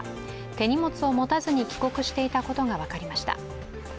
手荷物を持たずに帰国していたことが分かりました。